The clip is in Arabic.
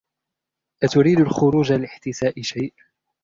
أتريد الخروج لاحتساء شيء؟